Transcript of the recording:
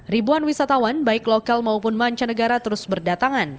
ribuan wisatawan baik lokal maupun mancanegara terus berdatangan